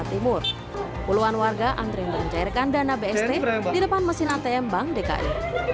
timur puluhan warga antre mencairkan dana bst di depan mesin atm bank dki